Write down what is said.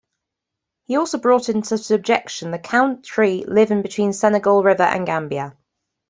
He also brought into subjection the country lying between the Senegal river and Gambia.